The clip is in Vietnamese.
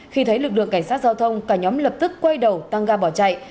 khi thấy lực lượng cảnh sát giao thông cả nhóm lập tức quay đầu tăng ga bỏ chạy